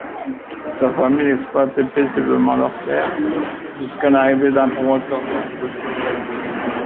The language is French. Sa famille exploitait paisiblement leurs terres jusqu'à l'arrivée d'un promoteur sans scrupules.